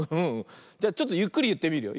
じゃちょっとゆっくりいってみるよ。